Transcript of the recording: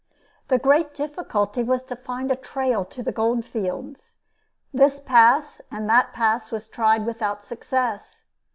The great difficulty was to find a trail to the gold fields. This pass and that pass was tried without success.